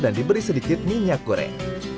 dan diberi sedikit minyak goreng